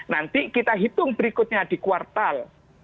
nanti kita hitung berikutnya di kuartal